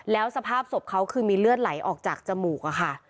แล้วสภาพศพเขาคือมีเลือดไหลออกจากจมูกอะค่ะ